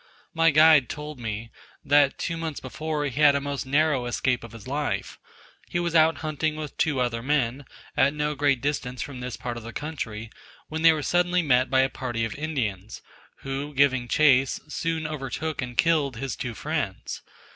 My guide told me, that two months before he had a most narrow escape of his life: he was out hunting with two other men, at no great distance from this part of the country, when they were suddenly met by a party of Indians, who giving chase, soon overtook and killed his two friends.